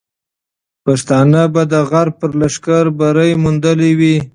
پښتانه به د غرب پر لښکر بری موندلی وي.